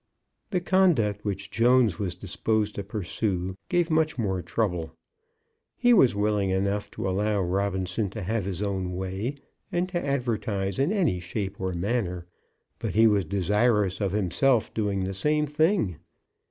The conduct which Jones was disposed to pursue gave much more trouble. He was willing enough to allow Robinson to have his own way, and to advertise in any shape or manner, but he was desirous of himself doing the same thing.